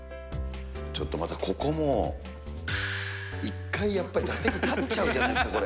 ちょっとまたここも、一回やっぱり打席立っちゃうじゃないですか。